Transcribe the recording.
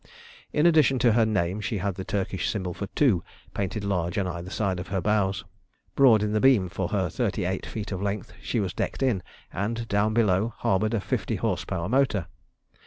In addition to her name she had the Turkish symbol for "2" painted large on either side of her bows. Broad in the beam for her 38 feet of length, she was decked in, and down below harboured a 50 h.p. motor.